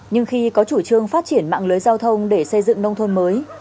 nhưng khi có chủ trương phát triển mạng lưới giao thông để xây dựng nông thôn mới